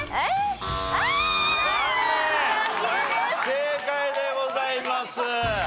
不正解でございます。